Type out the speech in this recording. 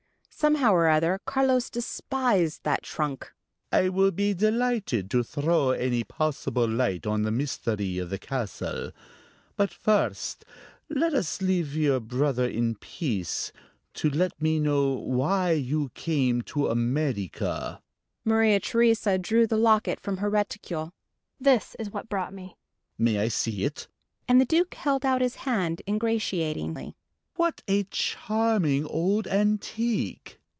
Somehow or other Carlos despised that trunk! "I will be delighted to throw any possible light on the mystery of the castle. But first let us leave your brother in peace, to let me know why you came to America?" Maria Theresa drew the locket from her reticule. "This is what brought me." "May I see it?" and the Duke held out his hand, ingratiatingly. "What a charming old antique!"